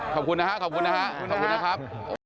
ขอบคุณนะครับขอบคุณนะครับ